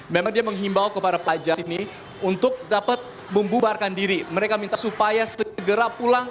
memang dia menghimbau kepada pajak ini untuk dapat membubarkan diri mereka minta supaya segera pulang